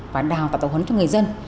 và đào tạo tàu hấn cho người dân